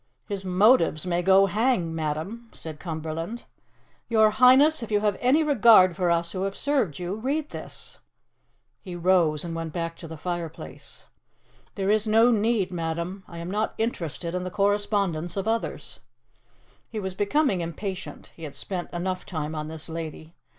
"His motives may go hang, madam," said Cumberland. "Your Highness, if you have any regard for us who have served you, read this!" He rose and went back to the fireplace. "There is no need, madam. I am not interested in the correspondence of others." He was becoming impatient; he had spent enough time on this lady.